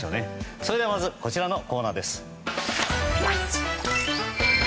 それではまずこちらのコーナーです。